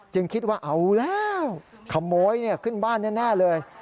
คิดว่าเอาแล้วขโมยขึ้นบ้านแน่เลย